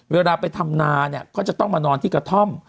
เวลาไปทำนาเนี่ยก็จะต้องมานอนที่กระท่อม